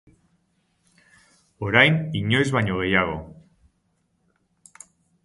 Orain inoiz baino gehiago.